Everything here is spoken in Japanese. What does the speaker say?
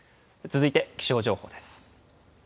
続いて気象情報です。